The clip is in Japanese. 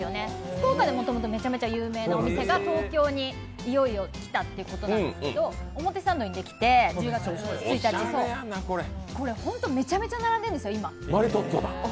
福岡でもともと有名なお店が東京にいよいよ来たということですけど表参道に１０月１日にできて、めちゃめちゃ並んでるんですよ。